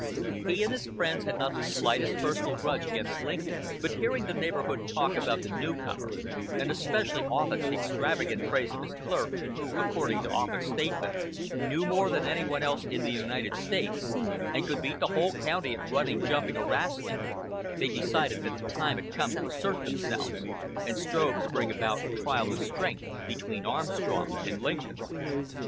He and his friends had not the slightest personal grudge against Lincoln; but hearing the neighborhood talk about the newcomer, and especially Offut's extravagant praise of his clerk, who, according to Offut's statement, knew more than any one else in the United States, and could beat the whole county at running, jumping or "wrastling," they decided that the time had come to assert themselves, and strove to bring about a trial of strength between Armstrong and Lincoln.